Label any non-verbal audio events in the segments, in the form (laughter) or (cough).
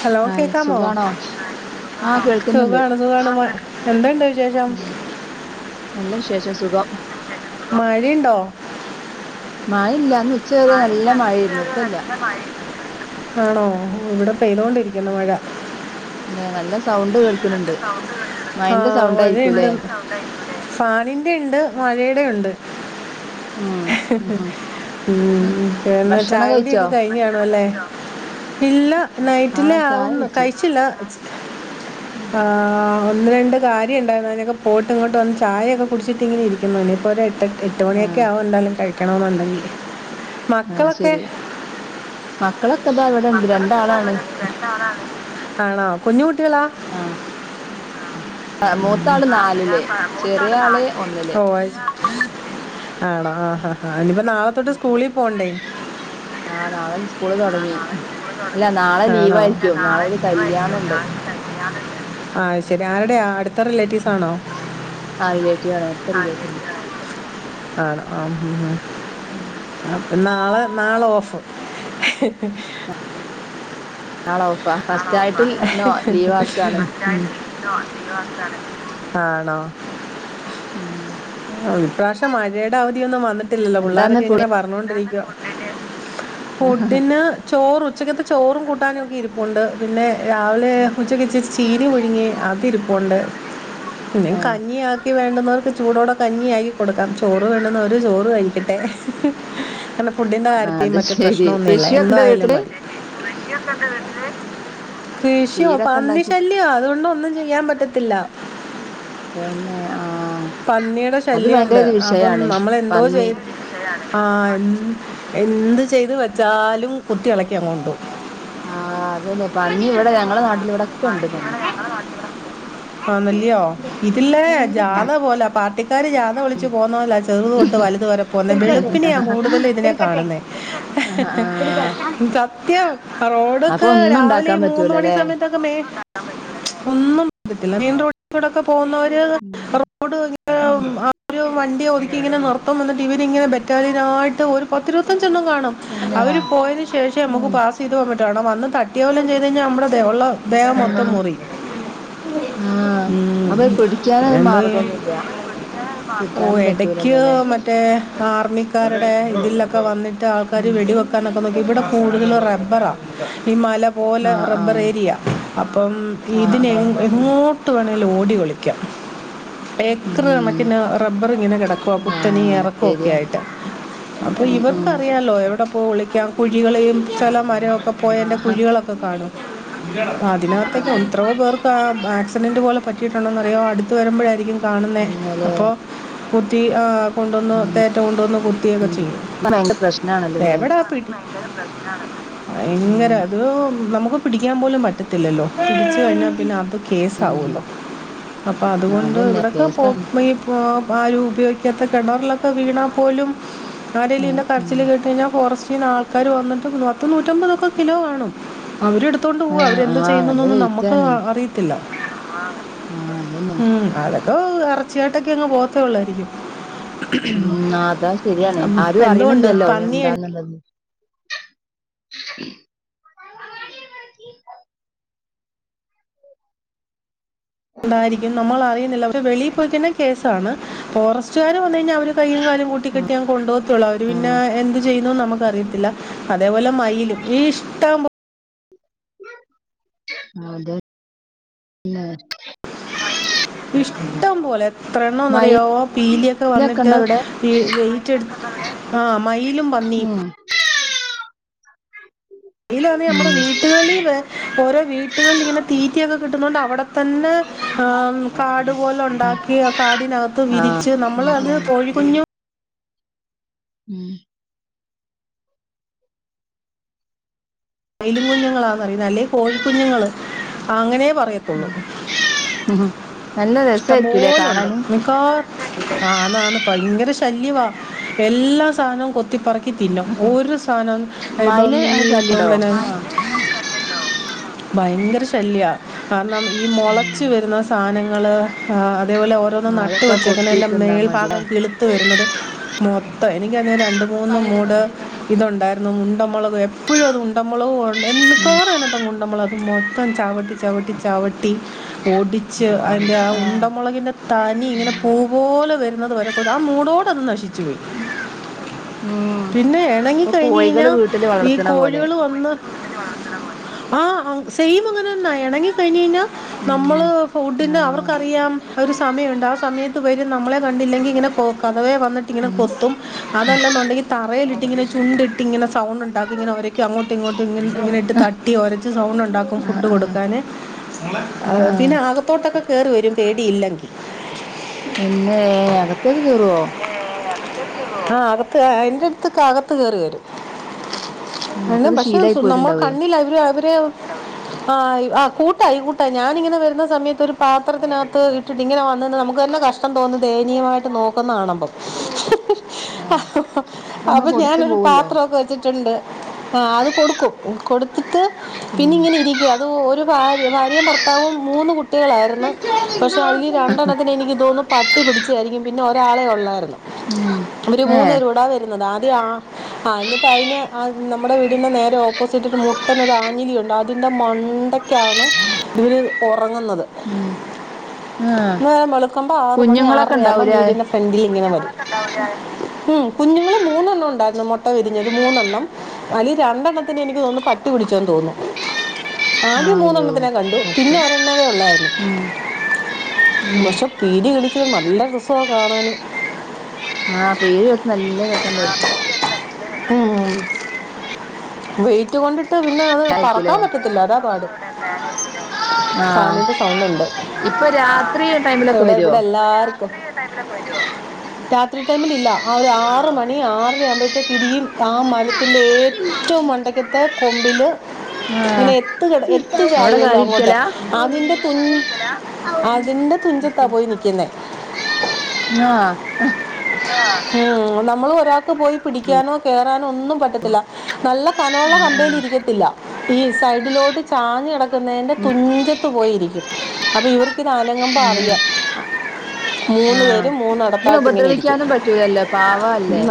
Hello hi കേക്കാമോ? സുഖാണോ ആഹ് കേൾക്കുന്നുണ്ട് സുഖാണ് സുഖാണ് ന്ന എന്തോണ്ട് വിശേഷം? നല്ലവിശേഷം സുഖം. മഴിണ്ടോ? മയല്ല അന്ന് ഉച്ച വരെ നല്ല മഴെയ്ര്ന്നു ഒരു ഇപ്പല്ല. നല്ല മഴയുണ്ട് ആണോ ഇവടെ പെയ്തോണ്ടിരിക്കുന്നു മഴ. ല്ലെ നല്ല സൗണ്ട് കേൾക്ക്ണ് ണ്ട്. ആഹ് മഴയിണ്ട് ഭയങ്കര സൗണ്ടേക്ക് ല്ലേ ഫാനിന്റെ ണ്ട് മഴയുടെണ്ട്. ഉം ഉം ഉം പോന്നോ ഭക്ഷണം കഴിച്ചോ ചായകുട്യൊക്കെ കഴിഞ്ഞാണ്വല്ലേ. ഇല്ല ആഹ് ചായ നൈറ്റിലാവുന്നു കുടിച്ച് കഴിച്ചില്ല. ച്ച് ആഹ് ഒന്ന് രണ്ട് കാര്യണ്ടായിര്ന്നു അതിനൊക്കെ പോട്ട് ങ്ങ്ട്ട് വന്ന് ചായൊക്കെ കുടിച്ചിട്ടിങ്ങനെ ഇരിക്കുന്ന് ഇനിയിപ്പോരേട്ട എട്ട് ആഹ് മണിയൊക്കാവും എന്താലും കഴിക്കണന്നുണ്ടെങ്കി. അയ് ശെരി മക്കള മക്കളെക്കെ പ്പവടണ്ട് രണ്ടാളാണ്. ആണോ കുഞ്ഞ് കുട്ടികളാ? ആഹ് മൂത്ത ആള് ആഹ് നാലില് ഒരാപ്പ ചെറിയ മൂത്താള് ആള് നാല് ല്. ഒന്നില് ഓഹ് അത് ശെ ആണോ ആ ഹാ ഹാ ഇനിപ്പോ നാളതൊട്ട് സ്കൂളി പോണ്ടേ. ആഹ് നാളെ സ്കൂള് തുടങ്ങി നാളെ സ്‌കൂള് ഇല്ല നാളെ തൊടങ്ങി. ലീവ് ആണോ ഇല്ല ആയിരിക്കും നാളെ ഒരു കല്യാണം ലീവായിരിക്കും ഉണ്ട് നാളൊരു കല്യാണ ണ്ട് അ ശെരി ആര്ടാ അട് ഇത്ര റിലേറ്റീവ്സ് ആണോ ആഹ് റിലേറ്റീവ് ആണ് അടുത്ത റിലേറ്റീവ് ആണ് ആണ് ആം ഹും ഹും ഉം നാളെ നാളെ ഓഫ് നാളെ ഓഫാ ഫസ്റ്റ് ആണോ ആയിട്ട് ഇന്ന് ലീവ് ഇഹിഹി ആക്കാണ് ആണോ ഉം ഇപ്രാവശ്യം മഴയുടെ അവധിയൊന്നും വന്നിട്ടില്ലല്ലോ എന്താന്ന് പുള്ളാരൊക്കെ പൊടി ഇങ്ങനെ പറഞ്ഞോണ്ടിരിക്കുവോ ഫുഡിന് ചോറ് ഉച്ചക്കത്തെ ചോറും കൂട്ടാനുവൊക്കെ ഇരിപ്പുണ്ട് പിന്നെ രാവിലെ ഉച്ചക്ക് ഇച്ചി ചീനി പുഴുങ്ങി അതിരിപ്പൊണ്ട് പിന്ന ആഹ് കഞ്ഞിയാക്കി വേണ്ടുന്നവർക്ക് ചൂടോടെ കഞ്ഞിയാക്കി കൊടുക്കാം ചോറ് വേണ്ടുന്നവര് ചോറ് കഴിക്കട്ടെ ഇഹിഹി കാരണം ഫുഡിന്റെ കാര്യത്ത അത് മറ്റേ ശരി പ്രശ്നൊന്നുയില്ല കൃഷിയൊക്കെണ്ട് എന്തോയാലും വീട്ടില് മതി കൃഷിയോ ചീരൊക്കെ പ്പന്നി ഉണ്ടാക്കി ശല്യോ അതുകൊണ്ട് ഒന്നും ചെയ്യാൻ പറ്റത്തില്ല അത് പിന്നെ ആ പന്നിയുടെ ശല്യംമുണ്ട് അപ്പം വിഷയാണ് നമ്മളെന്തോ പന്നി ചെയും ആ എന്ത് ചെയ്ത് വെച്ചാലും കുത്തി ഇളക്കി അങ്ങോട്ടു പോവും ആഹ് അതുതന്നെ പന്നി ഇവിടെ ഞങ്ങള നട്ടിൽ പന്നി ഇവിടെ ഞങ്ങള് നാട്ടിൽ വന്നു ആ നല്ലയോ ഇതില്ലേ ജാത പോലെ പ ഇക്കാർ ജാത വിളിച്ചു പോകുന്നതല്ല ചെറുതൊട്ട വലുതു വരെ പോകുന്നെ വെളുപ്പിനിയാ കൂടുതലും ഇതിനെ കാണുന്നുന്നത് ആഹ് ആഹ് സത്യം അപ്പൊ റോഡൊക്കെ ഒന്നും രാവിലെ ഉണ്ടാക്കാൻ മൂന്ന മണി പറ്റൂലല്ലേ സമയത്തൊക്കെ ഒന്നും പറ്റത്തില്ല മെയിൻ റോഡിലൂടെ പോകുന്നവരൊക്കെ ഉം ഉം വണ്ടിയെ ഒതുക്കി ഇങ്ങനെ നർത്തം വന്ന് ടിവിൽ ഇങ്ങനെ ബറ്റാലിയൻായിട്ട് ഒരു പത്തിരുപത്തിയാഞ്ച് കാണും പിന്നെ അവര് ആഹ് പോയതിനന് ശേഷം നമുക്ക് പാസ് ചെയ്ത്ൻ പറ്റ വന്ന് തട്ടിയ പോലാം ചെയ്ത് കഴിഞ്ഞാൽ നമ്മുടെള്ള ദേഹം മൊത്തം ആഹ് മുറി ആഹ് ഉ അപ്പൊ പിടിക്കാന് ഒരു എന്തോ ചെയ്യാ മാർഗൊന്നുല്ല ഓ പിടിക്കാനൊന്നും ഇടക്ക് പറ്റൂലല്ലോ ല്ലേ മറ്റേ ആർമിക്കാരുടെ ഇതില ഒക്കെ വന്നിട്ട് ആൾക്കാാര് ഉം വെടി വെക്കാനൊക്കെ നോക്കി ഇവിടെ കൂടുതല റബ്ബറാ ഈ മല പോലെ ആഹ് റബ്ബർ ആഹ് ഏരിയ അപ്പം ആഹ് ഇതിന ആഹ് ശരി എങ്ങോട്ടും ആണിൽ ഓടൊളിക്കാം പഏക്കറ് ഉം കണക്കിന് റബ്ബർ ഇങ്ങനെ കിടക്കുവവാ പുത്തനി ആഹ് ഇറക്കുവൊക്കെ ശരിയാ ആയിട്ട് അപ്പൊ ഉം ഉം ഇവർക്കറിയാലോ എവിടെ അപ്പോൾ ഒളിക്കാം കുഴികളെയും ചില മരമൊക്കെ പോയ എൻ്റെ ആഹ് കുഴികളൊക്കെ കാണും ആഹ് അതിനകത്തേക്കെ ആഹ് എത്രയോ പേർക്ക് ആക്സിഡന്റ് പോലെ പറ്റിയിട്ടുണ്ടോന്ന്റിയോ അടുത്ത വരുമ്പോഴായിരിക്കും കാണുക ന്നെ ഇന്നലെ അപ്പൊ കുത്തി കൊണ്ടുവന്ന് ഉം തേറ്റ കൊണ്ടുവന്ന് കുർത്തിയൊക്കെ ചെയ്യും ഇപ്പൊ ഭയങ്കര പ്രശ്നാണല്ലോല്ലേ എവിടാ ഉം ഭയങ്കര അത് നമുക്ക് പിടിക്കാൻ പോലും പറ്റത്തില്ലോ പിടിച്ചച്ച് കഴിഞ്ഞാൽ പിന്നെ അത് ഉം കേസാവുമല്ലോ അപ്പം അതുകൊണ്ട് അതന്നെ ഇവിടയൊക്കെ പോ കേസാണ് ആാലും ഉപയോഗിക്കാത്ത കിണറിലൊക്കെ വീണാൽ പോലും ആരെേങ്കലും ഉം ഇൻ്റെ ഉം കരച്ചിൽ കേട്ട് കഴിഞ്ഞാൽ ഫോറസ്റ്റ് പിെ ആൾക്കാർ വന്നിട്ട് നത്ത നൂറ്റമ്പതൊക്കെ കിലോ കാണും അവര്ടു അത്തുകൊണ്ട് പോുക ആഹ് അവരെന്തു ആഹ് ചെയ്യുന്നു നല്ല എന്നൊും നമുക്ക് വെയിറ്റാണ് അറിയത്തില്ല ആഹ് അതന്നെ ഉം അതൊക്കെ ഇറച്ചിയായിട്ടൊക്കെ അങ്ങ് പോത്തേള്ളായിരിക്കും ഉ അതാ ശരിയാണ് ആരും എന്തുകൊണ്ട് അറിയണില്ലല്ലോ പന്നി എന്താന്നുള്ളത് ഉായിരിക്കും നമ്മൾ അറിയുന്നില്ലക്ഷെ വെളിൽ പോയിക്കെ കേസാണ് ഫോറസ്റ്റുകാര്ർ വ കഴിഞ്ഞാൽ കയ്യും കാലും കൂട്ടിക്കെട്ടി ഞാൻ കൊണ്ടപ പോോത്തുള്ളൂ അവർ പിന്നെ എന്ത് ചെയ്യുന്നുന്ന് നമുക്ക് അറിയത്തില്ല അതേപോലെ മയിലും ഈ ഇഷ്ട അതെല്ല ഇഷ്ടം പോലെ എത്ര എണ്ണം ഒന്ന്റിയോ പീലിയൊക്കെ മയിലൊക്കെ വന്നിട്ട് ഇണ്ടോ അവിടെ വെറ്റ് എടുത്ത് ആഹ മയിലും പന്നിയും ഉം അയിലന്ന് നമ്മടെ ഉം വീട്ടുകളിൽ ഓരോ വീട്ടുകളിൽ ഇങ്ങനെ തീറ്റയൊക്കെ കിട്ടുന്നതണ്ട് അവിടെ തന്നെ കാടു പോലെ ഉണ്ടാക്കി കാടിനകത്ത് ആഹ് വിരിച്ച് നമ്മൾ കോഴി കുഞ്ഞോ ഉം അയിലും കുഞ്ഞുങ്ങളാന്ന് പററിയുന്നത് അല്ലെ കോഴിക്കുഞ്ഞുങ്ങള് അങ്ങനെ ഉം പറയത്തുള്ളൂ ഉം നല്ല രസായിരിക്കൂലേ ഇഷ്ടംപോലുണ്ട് കാണാന് നിനിക്കാ ആന്നന്ന് ഭയങ്കര ഇഷ ശല്യവാ എല്ലാ സാധനവും കൊത്തിപ്പറ ി തിന്നും ഒരുഓ സാധനം ഇപ്പം ഈ ഉണ്ടോ പിന്നെ ആ ഭയങ്കര ശല്യമാണ് കാരണം ഈ മുളച്ച് വരുന്ന സാധനങ്ങള്ൾ അതേപോലെ ഓരോന്നും ആഹ് നട്ട് അതൊക്കെ വെച്ചക്കങ്ങനെ കൊത്തി എല്ലാം തിന്നാ മതില്ലേ മേൽഭാഗം കിളുത്ത വരുന്നത് മൊത്തം എനിക്കതിന രണ്ട് മൂന്ന് മൂട് ഇതുണ്ടായിരുന്നു മുണ്ട മുളക് ഇപ്പോഴും അത് ഉണ്ടമ്മോളോ ഉണ്ട് മിക്കവാറും അതിനകത്ത്ങ്ങ് ഉണ്ടമ്മോളോ അത് മൊത്തം ചട്ടി ചവിട്ടി ചവിട്ടി ഓടിച്ച് അതിറെ ആ ആഹ് ഉണ്ട മുളിന്റെ തനി ഇങ്ങനെ ആഹ് പൂ പോോലെ വരുന്നത് വരെ താ മൂടോട അത് നശിച്ചുപയി ഉം പിന്നെ വണെങ്കി ഇപ്പൊ കഴിഞ്ഞഞ് കഴിഞ്ഞാ കോഴികള് വീട്ടില് ഈ വളർത്തണ പോലെ കോഴികൾ വന്ന് ആ സെയിം അങ്ങനെ തന്ന ആണെങ്കിൽ കഴ കഴിഞ്ഞൽ ഉം നമ്മള് ഫുഡിന്റെ ആഹ് അവർക്കറിയാം ഒരു സമയമുണ്ട് ആ സമയത്ത് വരും നമ്മളെ കണ്ട െ ഇങ്ങനെ കഥവയ വിട്ട് ഇങ്ങനെ ഉം കൊത്തും അതല്ലെന്നുണ്ടെങ്കിൽ തറയിൽി ചുണ്ട ഇട്ട് ഇെ ഇങ്ങനെ ഒരക്കും അങ്ങോട്ടും ഇങ്ങോട്ടും ഇങ്ങ ഇങ്ങനെ ഇട്ട് തട്ടി ഒരച്ച് സൗണ്ട് ഉണ്ടാക്കും ആഹ് ഫുഡ് ആഹ് കൊടുക്കാൻ ആ ആഹ് പിന്നെ ആകത്തോട്ടൊക്കെ കേറി വരും പേടിയില്ലെങ്കിൽ നന്നെ അഗത്തക ദൂരു ആഹ അകത്ത് അയിന്റെ അടുത്തൊക്ക അകത്ത് കേയറി വരും ആഹ് അെ അതൊക്കത് പക്ഷെ ശീലായി നമ്മൾ പോയിട്ടുണ്ടാവേ കണ്ണിൽ അവര് അവര് ആ് ആ കൂട്ടായി കൂട്ടായി ഞാനിങ്ങനെ വരുന്ന സമയത്ത് ഒരു പാത്രത്തിനകത്ത് ഇട്ടിട്ട് ഇങ്ങനെ വന്നന്ന് നമുക്ക് ന്നെ കഷ്ടം തോന്ന ദയനയമായിട്ട് നോ ാണുമ്പ ആഹ് നമ്മള് അപ്പൊ കൊടുത്തു ഞാനൊരു പോവല്ലോ പാത്രമൊക്കെ വെച്ചിട്ടുണ്ട് ആ അത് കൊടുക്കും കൊടുത്തിട്ട് പിന്നെ ഉം ഇങ്ങനെ ഇരിക്ക അത് ഒരു ഭാര്യ ഭാര്യയും പാവും മൂന്ന് കുട്ടികളായിരുന്നു പക്ഷെ അതി രണ്ടെണ്ണത്തിന് എനിക്ക് ഇതോന്നന്ന് പട്ടി പിിടിച്ചായിരിക്കും പിന്നെ ഒരാളെ ഉള്ളായിരുന്നു ഉം അവര് ഏഹ് മൂന്നര ഇടാ വരുന്നത് ആദ്യം ആ ആ എന്നിട്ട് അതിന് ആ നമ്മുടെ വീടിന്ന നേരെ ഓപ്പോസിറ്റ്ി് മുട്ടന ഒരു ആഞ്ഞിലി ഉണ്ട്ോ മണ്ടക്കാണ് ഇതിൽ ഉറങ്ങുന്നത് ഉം ആഹ് ഇ നേരം വെളുക്കുമ്പോ ആറ മണി ആറ കുഞ്ഞുങ്ങളൊക്കെ ആവുമ്പോം ഉണ്ടാവൂലേ വീടിന്റെ ഫ്രണ്ടിൽ ഇങ്ങനെ വള ഉം കുഞ്ഞുങ്ങള്ൾ മൂന്നെണ്ണം ഉണ്ടായിരുന്നു മുട്ട വിരിഞ്ഞത് മൂന്നെണ്ണം അല്ലീ രണ്ടെണ്ണത്തിന് എനിക്ക് തോന്നുന്നു പട്ടി പിടിച്ചോന്ന് തോന്നുന്നു ആദ്യം അയ്യോ മൂന്നെണ്ണത്തിനെ കണ്ടു പിന്നെ കഷ്ടം ഒരെണ്ണവേ ഉള്ളായിരുന്നു ഉം ഉം പക്ഷെ പീടി കളിച്ച നല്ല രസമാണ് കാണാന് ആഹ പേര്ത്ത് നല്ല വസണ്ടായിരിക്കു ഉം വെയിറ്റ് കൊണ്ടിട്ട് പിന്നെ അത് ആയിരിക്കുംല്ലേ പറക്കാൻ പറ്റത്തില്ല അതാ പാട് പിന്നെ ആഹ് ാനിന്റെ സൗണ്ട് ഉണ്ട് ഇപ്പൊ രാത്രി ടൈമിലൊക്കെ ഇവിടെ വരുവോ ഇവിടെ എല്ലാർക്കും ൈമില പോരുോ രാത്രി ടൈമിൽ ഇല്ല ആ ഒരു ആറ മണി ആറര ആവുമ്പോഴത്തേക്ക് ഇതിും ആ മനത്തിറെ ഏറ്റവും മണ്ടക്കത്തെ കൊമ്പില് ഇങ്ങനെ ആഹ് എത്ത എത്ത അവിടെ ചായല്ലോ കാര്യം അങ്ങോട്ട് ഇരിക്കലാ അതിറെ തു അതിന്റെ തുഞ്ചത്താ പോയി നക്കുന്നേ ആഹ ഉം നമ്മള് ക്ക് പോയി പിടിക്കാനോ കയറാനോ ഒന്നും പറ്റത്തില്ല നല്ല കനുള്ള കമ്പനിൽ ഇരിക്കത്തില്ല ഈ സൈഡ് ലോട്ട ചാഞ്ഞ കടക്കുന്നതിന്റെ തുഞ്ചത്ത് പോയിരിക്കും അപ്പൊ ഇവർക്ക്ിത്ാനങ്ങുമമ്പം ആഹ് അറിയാം മൂന്ന് പേര് മൂന്ന് നടത്തായിട്ട് ഇങ്ങനെ ഇരിക്കും പിക്കാനും പറ്റൂലല്ലേ പാവ അല്ലേ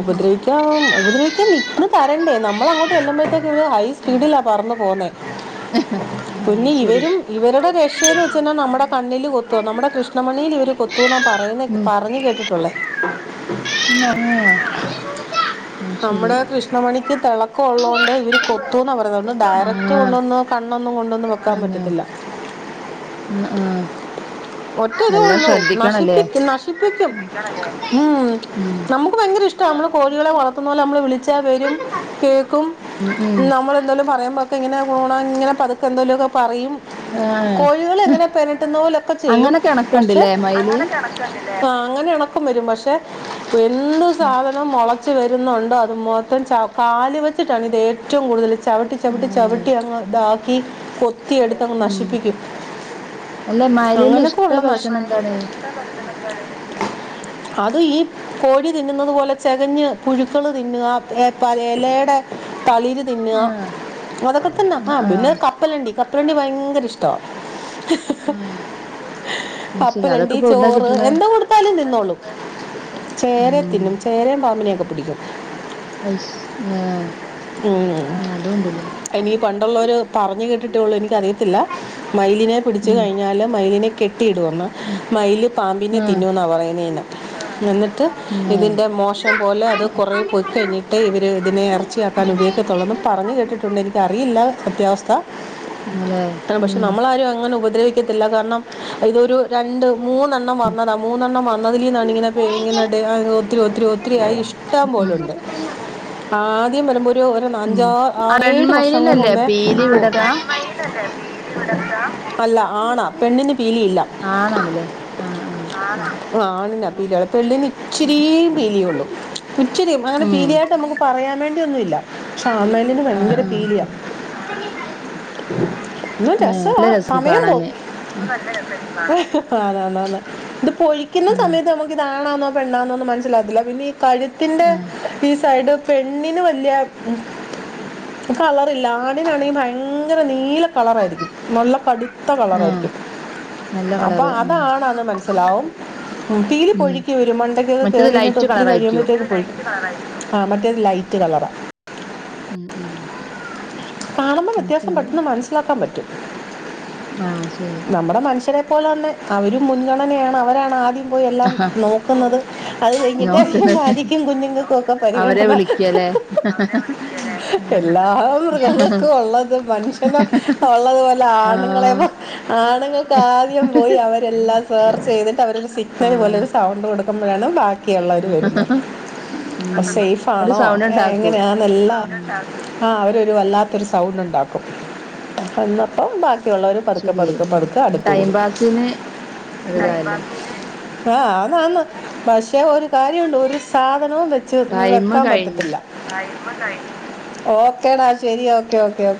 ഉപദ്രിക്ക ഉപദ്രിക്ക നിക്ക തരണ്ടേ നമ്മൾ അങ്ങോട്ട് എല്ല്പോഴത്തേക്ക ഒരു ഹൈ ഉം സ്പീഡിലാ പറന്നു പോന്നേ ആഹാ പിന്നെ ശരി ഇവരും ഇവരുടെ രക്ഷയന്ന് വെച്ച കാൽ നമ്മുടെ കണ്ണില് കൊത്തു നമ്മുടെ കൃഷ്ണമണയിൽ ഇവര് കൊ ത്തൂന്നാ പറയുന്ന ഉം പറഞ്ഞ് കേട്ടിട്ടുള്ളേ ആഹ് അത് ശരി നമ്മുടെ കൃഷ്ണമണിക്ക് തിളക്കമുള്ളത് കൊണ്ട് ഇവര് കൊത്തുന്നാണ് പറയുന്നത്തുകൊണ്ട് ഡയറക്റ്റ് ആഹ് കൊണ്ടുവന്ന് കണ്ണൊന്നും കൊണ്ടൊന്നന്ന് വെക്കാൻ പറ്റത്തില്ല ഉ ആ ആഹ് ഒറ്റ ഒരേ നല്ലോം ഉള്ളു ശ്രദ്ധിക്കണല്ലേ നശിപ്പ നശിപ്പിക്കും ഉം ഉം നമുക്ക് ഭയങ്കര ഇഷ്ടാമ്മള് കോഴികളെ വളർത്തുന്ന പോലെ നമ്മള് വിളിച്ചാ വരും കേൾക്കും ഉം ഉം നമ്മളെന്തേലും പറയുമ്പൊക്കെ ഇങ്ങനാവോ ആ ഇങ്ങനെ പതുക്കെന്തേലൊക്കെ പറയും ആഹ് കോഴികളെങ്ങനെ പെരട്ടുന്ന പോലൊക്കെ ചെയ്യും അങ്ങനെ പക്ഷെ കണക്ക്ണ്ട്ല്ലേ മയില് അങ്ങനെ കെടക്കാണ്ലേ ആ അങ്ങനെ ഇണക്കം വരും പക്ഷെ എന്ത് ഏഹ് സാധനം മുളച്ച് വരുന്നു അത് മൊത്തം ചവി കാല് വെച്ചിട്ടാണ് ഇത് ഏറ്റവും കൂടുതൽ ചവിട്ടി ചവിട്ടി ഉം ചവിട്ടി അങ് ദാ ക്കി കൊത്തിയെടുത്തങ്ങ് ഉം. നശിപ്പിക്കും അല്ല മയിലിന്റെ ഇഷ്ട അങ്ങനൊക്കുള്ള നശം ഭക്ഷണം എന്താണ് ആ അത് ഈ കോഴി തിന്നുന്നത് പോലെ ചെകഞ്ഞ് പുഴുക്കള് തിന്നാ ഏ പല എലേയുടെ തളിര് തിന്നുക ആഹ് അതൊക്കെത്തന്നെ ആ ആഹ് പിന്നെ ആഹ് കപ്പലണ്ടി കപ്പലണ്ടി ഭയ ങ്കര ഇഷ്ടാ മ്മ് കപ്പലണ്ടി ചോറ് എന്ത് കൊടുത്താലും തിന്നോളും ചേരെ ഉം തിന്നും ചേരേം പാമ്പിനൊക്കെ പിടിക്കും അയ്ഷ് ആ മ്മ് അയ്നി പണ്ടുള്ളോര് പറഞ്ഞു കേട്ടിട്ടുള്ളൂ എനിക്കറിയത്തില്ല മയിലിനെ പിടിച്ചു ഉം കഴിഞ്ഞാല് മയിലിനെ കെ ട്ടിടൂന്ന് ഉം മയില് പാമ്പിനെ ആഹ് തിന്നൂന്നാ പറയുന്നെന്ന് എന്നിട്ട് ല്ലേ ഇതിൻ്റെ മോശം പോലെ അത് കുറേ പൊയ്കഴിഞ്ഞിട്ടേ ഇവർ ഇതിനെ എറ ക്കാൻ ഉപയോഗിക്കത്തൊള്ളെന്ന് പറഞ്ഞു കേട്ടിട്ടുണ്ട് എനിക്കറിയില്ല സത്യാവസ്ഥ ല്ലേ പക്ഷെ ഉം നമ്മളാരും അങ്ങനെ ഉപദ്രവിക്കത്തില്ല കാരണം ഇതൊരു രണ്ട് മൂന്നെണ്ണം വന്നതാ മൂന്നെണ്ണം വന്നതിലിന്നാണിങ്ങനെ (unintelligible) ഒത്തിരി ഒത്തിരി ഒത്തിരി ആയി ഇഷ്ടം പോ (unintelligible) ആഹ് ഒര് ഉം നഞ്ചാ ആറേഴ് വർഷങ്ങൾ പെൺമയിലിനല്ലേ മുമ്പേ പീലി വിടലാ പോ (unintelligible) അല്ല ആണാ പെണ്ണിന് പീലിയില്ല ആണാണല്ലേ ആഹ് ആഹ് ആണാ ശരി ആണിനാ പീലി ഉള്ളെ പെണ്ണിന് ഇച്ചിരി ഇച്ചരി പീലിയള്ളൂ ഇച്ചരി അങ്ങനെ ഉം പീലിയ ആായിട്ട് നമുക്ക് പറയാ ഒന്നു ല്ല പക്ഷെ ആണ് മയില്ന് ആഹ് ഭയങ്കര ആഹ് പീലിയ ഒരു ഏഹ് രസവാ നല്ല രസാ സമയം പോം കാണാന് ഉം നല്ല രസാ ആ അതാതത ഇത് പൊലിക്കുന്ന ഉം സമയത്ത് നമുക്ക് ഇതാണാന്നോ പെണ്ണാന്നോന്ന് മനസ്സിലാവത്തില്ല പിന്നെ കഴ്ത്തിന്റെ ആഹ് ഈ സയ്ഡ് പെണ്ണിന് വല്യ കള- ല്ല ആടിനാണെങ്കി ഭയങ്കര നീല കളറാരിക്കും നല്ല കടുത്ത ആഹ് കളറാരിക്കും നല്ല അപ്പൊ കളറ് ആഹ് അതാണത് മനസ്‌ലാവും ഉം തീയ്ല് പൊഴിക്ക് വര് മണ്ടക്കൊക്കെ മറ്റത് കേറിര്ന്നിട്ട് ലൈറ്റ് ഒത്തിരി കളറായിരിക്കും കഴിയ്മ്പഴ്ത്തേക്ക് പൊഴി ആ മറ്റേത് ലൈറ്റ് കളറാ ഉം ഉം കാണുമ്പോ ഉം വ്യത്യാസം ശരി പെട്ടെന്ന് മൻസ്സിലാക്കാം പറ്റും ആഹ് ശരി ത്പാേലെ തന്നെ അവരും മുൻഗണനയാണ് അവരാണ് ആദ്യം പോയി എല്ലാം നോക്കുന്നത് അത് കഴിഞ്ഞിട്ട് ഹ് നോക്കുന്നത് ഭാര്യക്കും കുഞ്ഞുങ്ങക്കും ഒക്കെ പരിഗണന ഉ ക്ള്ളത് മനുഷ്യന ഉള്ളത് പോലെ ആ ആൺങ്ങളെ ണ്ങ്ങക്ക് ആദ്യം പോയി അവരെല്ലാം സേർച്ചെയ്തിട്ട് അവരാെരു ആ സിഗ്നല് പോലൊര് സൗണ്ട് കൊട് (unintelligible) ണ് ബാക്കിയാെള്ളവര് വര്ന്നത് ഉം ഒരു സെയ്ഫാണോ സൗണ്ട് ഏ ഉണ്ടാക്കൂ എങ്ങനെയാ നല്ല ഉം ആ അവര് വല്ലാത്തൊരു സൗണ്ട് ഇണ്ടാക്കും എന്നപ്പോ ക്കിള്ളവര് പത്ക്കെ ശരി പത്ക്കെ പത്ക്കെ ഉം അട്ത്ത് ടൈം കൂടും പാസിന് ഒരിതായല്ലോ (unintelligible) ആഹ് അതാന്ന് പക്ഷെ ഒരു കാര്യണ്ട് ഒരു സാധനവും വെച്ച് ടൈം വെക്കാ കഴിഞ്ഞ് പറ്റത്തില്ല ഓക്കേടാ ശെരി ഓക്കെ ഓക്കെ ഓ